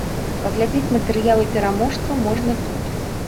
Паглядзець матэрыялы пераможцаў можна тут.